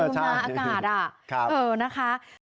อย่าลืมมาอากาศอ่ะ